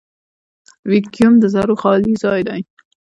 ویکیوم د ذرّو خالي ځای دی.